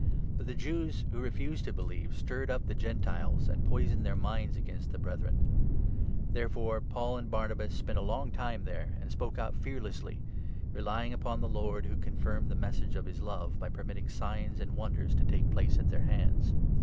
But the 2 Jews who refused to believe stirred up the Gentiles, and poisoned their minds against the Brethren. Therefore Paul 3 and Barnabas spent a long time there, and spoke out fear lessly, relying upon the Lord, who confirmed the Message of his Love by permitting signs and wonders to take place at « Hab. i. 5. « lea. 49. 6. THE ACTS, 14. 241 their hands.